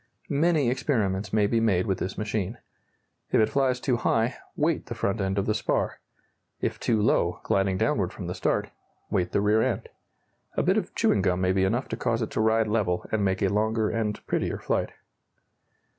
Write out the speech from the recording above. Many experiments may be made with this machine. If it flies too high, weight the front end of the spar; if too low, gliding downward from the start, weight the rear end. A bit of chewing gum may be enough to cause it to ride level and make a longer and prettier flight.